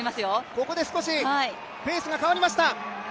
ここで少しペースが変わりました。